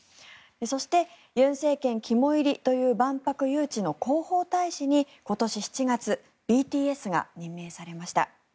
そして、尹政権肝煎りという万博誘致の広報大使に今年７月ＢＴＳが任命されました。